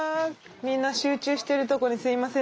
みんな集中してるとこにすいません。